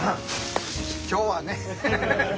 今日はね。